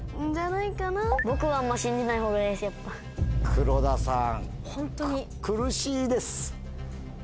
黒田さん。